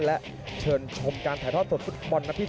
และเชิญชมการถ่ายทอดสดฟุตบอลนัดพิเศษ